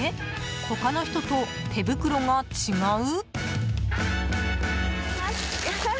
他の人と手袋が違う？